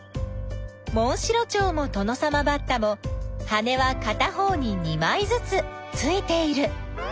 モンシロチョウもトノサマバッタも羽はかた方に２まいずつついている。